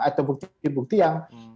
atau bukti bukti yang diambil dari teknologi